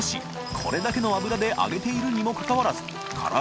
これだけの油で揚げているにもかかわらず蕕△